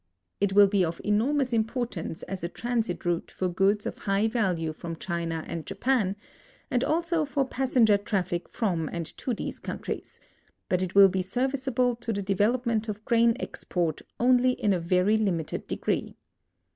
It will be of enormous impor tance as a transit route for goods of high value from China and Japan, and also for passenger traffic from and to these countries, but it will be serviceable to the development of grain export onl}^ in a very limited degree.